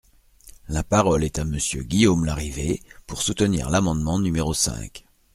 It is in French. La parole est à Monsieur Guillaume Larrivé, pour soutenir l’amendement numéro cinq.